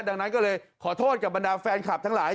ดังนั้นก็เลยขอโทษกับบรรดาแฟนคลับทั้งหลาย